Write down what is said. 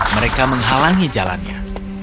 mereka menghalangi jalannya